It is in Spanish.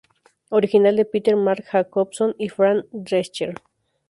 Original de Peter Marc Jacobson y Fran Drescher